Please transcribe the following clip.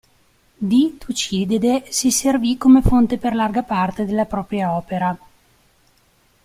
Di Tucidide si servì come fonte per larga parte della propria opera.